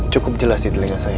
cukup jelas di telinga saya